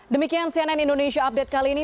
demikian cnn indonesia update kali ini